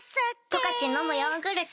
「十勝のむヨーグルト」